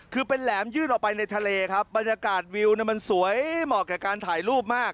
คือเป็นแหลมยื่นออกไปในทะเลครับบรรยากาศวิวมันสวยเหมาะกับการถ่ายรูปมาก